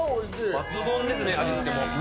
抜群ですね、味付けも。